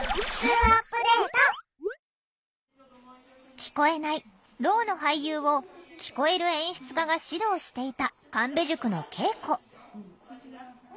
聞こえないろうの俳優を聞こえる演出家が指導していた神戸塾の稽古